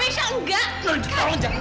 kamisya udah kak jangan bikin arman